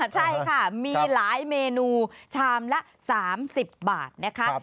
ใช่ค่ะมีหลายเมนูชามละ๓๐บาทนะคะ